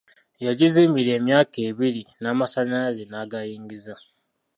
Yagizimbira emyaka ebbiri n'amasanyalaze n'agayingiza.